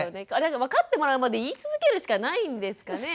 分かってもらうまで言い続けるしかないんですかね？